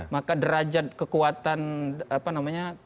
maka derajat kekuatan apa namanya